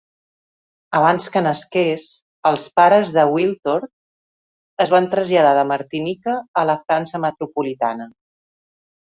Abans que nasqués, els pares de Wiltord es van traslladar de Martinica a la França metropolitana.